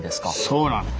そうなんです。